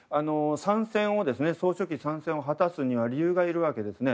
総書記３選を果たすには理由がいるわけですね。